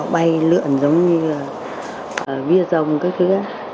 hay lượn giống như bia dòng các thứ